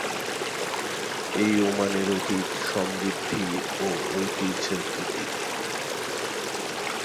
এই ওমানের অতীত সমৃদ্ধি ও ঐতিহ্যের প্রতীক।